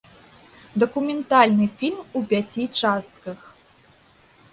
Дакументальны фільм у пяці частках.